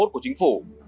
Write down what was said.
của chính phủ